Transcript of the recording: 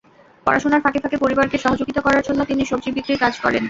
পড়াশোনার ফাঁকে ফাঁকে পরিবারকে সহযোগিতা করার জন্য তিনি সবজি বিক্রির কাজ করেন।